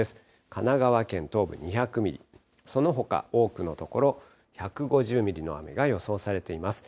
神奈川県東部２００ミリ、そのほか多くの所、１５０ミリの雨が予想されています。